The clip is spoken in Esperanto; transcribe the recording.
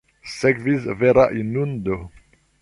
Sekvis vera inundo.